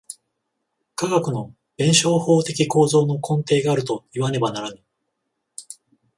科学の弁証法的構造の根底があるといわねばならぬ。